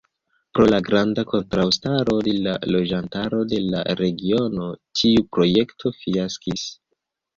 Pro la granda kontraŭstaro de la loĝantaro de la regiono, tiu projekto fiaskis.